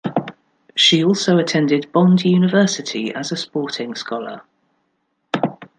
She also attended Bond University as a sporting scholar.